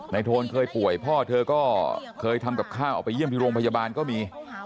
โทนเคยป่วยพ่อเธอก็เคยทำกับข้าวออกไปเยี่ยมที่โรงพยาบาลก็มี